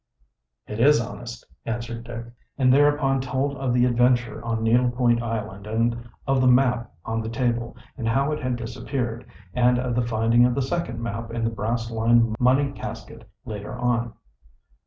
"It is honest," answered Dick, and thereupon told of the adventure on Needle Point Island and of the map on the table, and how it had disappeared, and of the finding of the second map in the brass lined money casket later on.